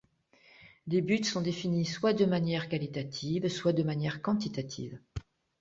Les buts sont définis soit de manière qualitative, soit de manière quantitative.